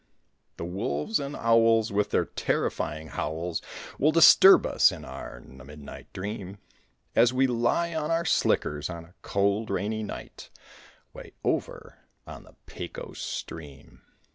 The wolves and owls with their terrifying howls Will disturb us in our midnight dream, As we lie on our slickers on a cold, rainy night Way over on the Pecos stream.